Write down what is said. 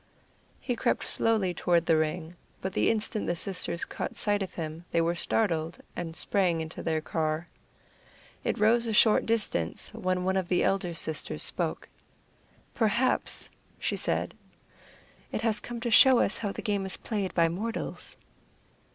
He crept slowly toward the ring; but the instant the sisters caught sight of him they were startled, and sprang into their car. It rose a short distance when one of the elder sisters spoke: "Perhaps," she said, "it has come to show us how the game is played by mortals."